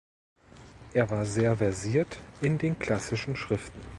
Er war sehr versiert in den klassischen Schriften.